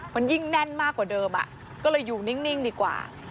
มันยิ่งแน่นมากกว่าเดิมก็เลยอยู่นิ่งดีกว่า